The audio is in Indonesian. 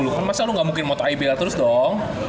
dua ribu dua puluh kan masa lu ga mungkin motoi belia terus dong